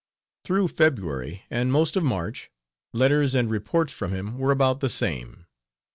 Through February, and most of March, letters and reports from him were about the same.